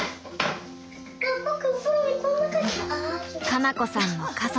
花菜子さんの家族。